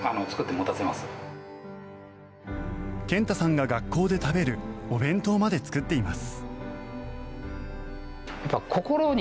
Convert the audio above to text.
健太さんが学校で食べるお弁当まで作っています。